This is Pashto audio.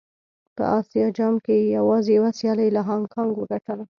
په اسيا جام کې يې يوازې يوه سيالي له هانګ کانګ وګټله.